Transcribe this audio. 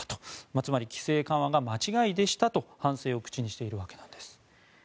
つまり規制緩和が間違いでしたと反省を口にしているわけなんです。